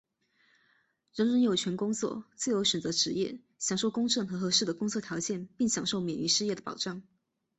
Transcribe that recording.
人人有权工作、自由选择职业、享受公正和合适的工作条件并享受免于失业的保障。